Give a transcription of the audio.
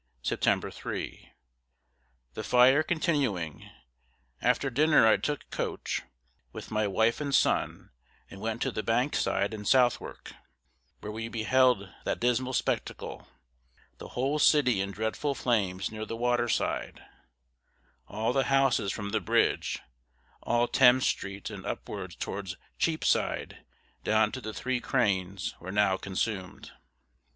Sept. 3. The fire continuing, after dinner I took coach, with my wife and son, and went to the bank side in Southwark, where we beheld that dismal spectacle, the whole city in dreadful flames near the waterside; all the houses from the bridge, all Thames street, and upwards towards Cheapside down to the Three Cranes, were now consumed.